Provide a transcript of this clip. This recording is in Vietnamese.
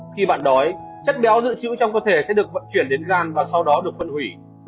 khi bạn nói chất béo dự trữ trong cơ thể sẽ được vận chuyển đến gan và sau đó được phân hủy